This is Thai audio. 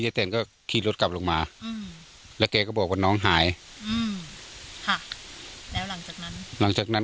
เยอะแสนก็ขี่รถกลับลงมาอืมแล้วแกก็บอกว่าน้องหายอืมค่ะแล้วหลังจากนั้น